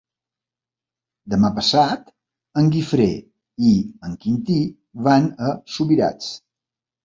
Demà passat en Guifré i en Quintí van a Subirats.